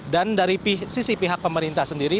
dan dari sisi pihak pemerintah sendiri